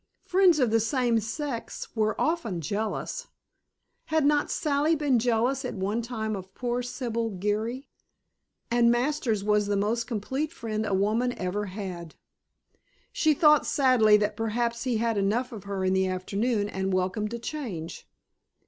Friends of the same sex were often jealous. Had not Sally been jealous at one time of poor Sibyl Geary? And Masters was the most complete friend a woman ever had. She thought sadly that perhaps he had enough of her in the afternoon and welcomed a change.